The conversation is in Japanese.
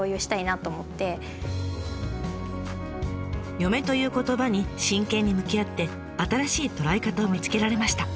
「嫁」という言葉に真剣に向き合って新しい捉え方を見つけられました。